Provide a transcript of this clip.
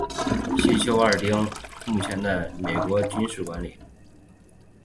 西丘二丁目曾是美军管理的。